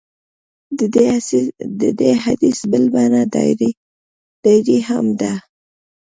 د دې حدیث بله بڼه ډایري هم ده.